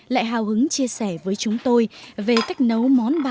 lại hào hứng chia sẻ với chúng tôi về cách nấu món bạc